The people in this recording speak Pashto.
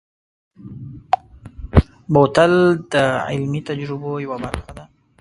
بوتل د علمي تجربو یوه برخه ده.